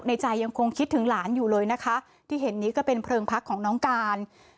ใจยังคงคิดถึงหลานอยู่เลยนะคะที่เห็นนี้ก็เป็นเพลิงพักของน้องการ